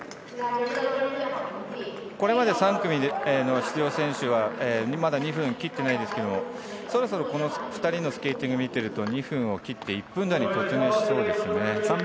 これまで３組の出場選手はまだ２分を切っていないですけれども、そろそろこの２人のスケーティングを見てると２分を切って１分台に突入しそうですね。